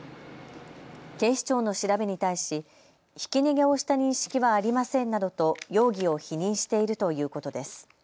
警視庁の調べに対しひき逃げをした認識はありませんなどと容疑を否認しているということです。